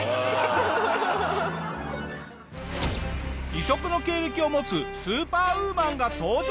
異色の経歴を持つスーパーウーマンが登場！